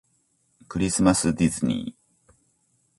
クリスマスディズニー